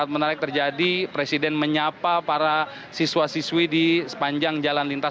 menarik terjadi presiden menyapa para siswa siswi di sepanjang jalan lintas